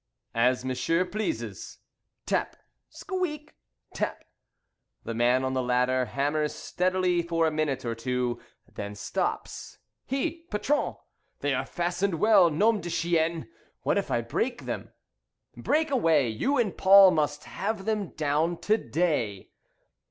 "As M'sieu pleases." Tap! Squeak! Tap! The man on the ladder hammers steadily for a minute or two, Then stops. "He! Patron! They are fastened well, Nom d'un Chien! What if I break them?" "Break away, You and Paul must have them down to day."